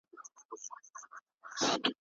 دولت به نور سیاسي سازمانونه کنټرول کړي.